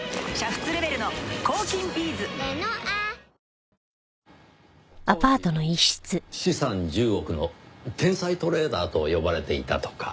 当時資産１０億の天才トレーダーと呼ばれていたとか。